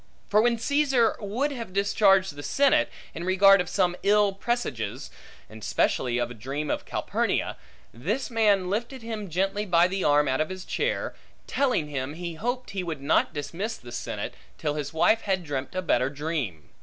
For when Caesar would have discharged the senate, in regard of some ill presages, and specially a dream of Calpurnia; this man lifted him gently by the arm out of his chair, telling him he hoped he would not dismiss the senate, till his wife had dreamt a better dream.